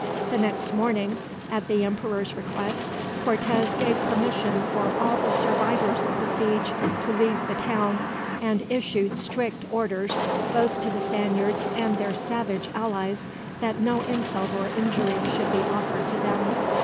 The next morning, at the emperor's request, Cortez gave permission for all the survivors of the siege to leave the town; and issued strict orders, both to the Spaniards and their savage allies, that no insult or injury should be offered to them.